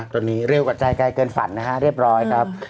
ตอนนี้เร็วกว่าใจไกลเกินฝันนะฮะเรียบร้อยครับ